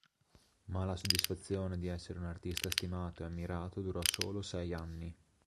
Ma la soddisfazione di essere un artista stimato e ammirato durò solo sei anni.